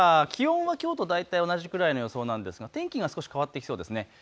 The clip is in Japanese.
あすは気温はきょうと大体同じくらいの予想なんですが天気が少し変わってきそうです。